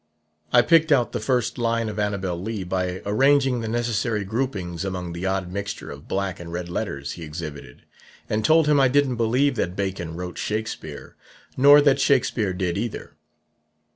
I picked out the first line of 'Annabel Lee' by arranging the necessary groupings among the odd mixture of black and red letters he exhibited, and told him I didn't believe that Bacon wrote Shakespeare nor that Shakespeare did either.